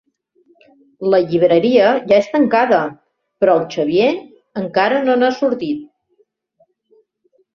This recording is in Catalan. La llibreria ja és tancada, però el Xavier encara no n'ha sortit.